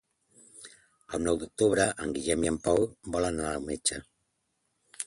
El nou d'octubre en Guillem i en Pol volen anar al metge.